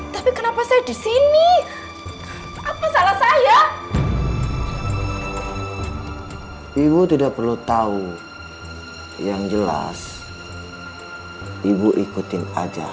tapi kenapa saya di sini apa salah saya ibu tidak perlu tahu yang jelas ibu ikutin aja